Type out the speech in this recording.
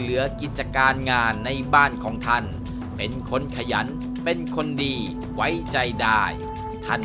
กิจการงานในบ้านของท่านเป็นคนขยันเป็นคนดีไว้ใจได้ท่าน